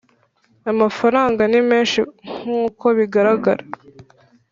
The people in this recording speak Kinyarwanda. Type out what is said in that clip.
amafaranga nimenshi nkuko bigaragara.